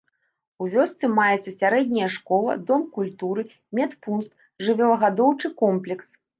У вёсцы маецца сярэдняя школа, дом культуры, медпункт, жывёлагадоўчы комплекс.